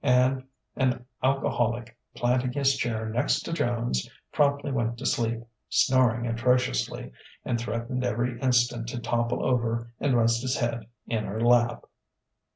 and an alcoholic, planting his chair next to Joan's, promptly went to sleep, snoring atrociously, and threatened every instant to topple over and rest his head in her lap.